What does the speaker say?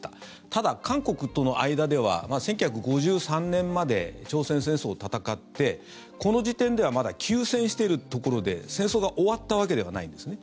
ただ、韓国との間では１９５３年まで朝鮮戦争を戦ってこの時点ではまだ休戦しているところで戦争が終わったわけではないんですね。